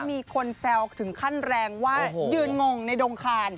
มีคนแซวถึงขั้นแรงว่ายืนงงในดงคาน